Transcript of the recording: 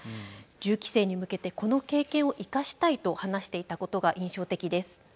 銃規制に向けてこの経験を生かしたいと話していたことが印象的です。